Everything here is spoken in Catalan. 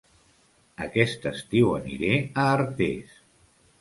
Aquest estiu aniré a Artés